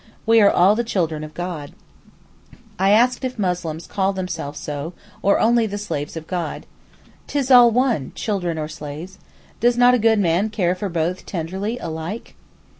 We are all the children of God.' I ask if Muslims call themselves so, or only the slaves of God. ''Tis all one, children or slaves. Does not a good man care for both tenderly alike?